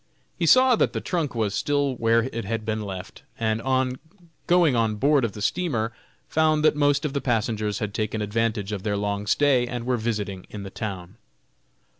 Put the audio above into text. He saw that the trunk was still where it had been left, and on going on board of the steamer, found that most of the passengers had taken advantage of their long stay, and were visiting in the town.